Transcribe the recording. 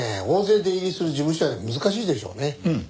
大勢出入りする事務所は難しいでしょうね。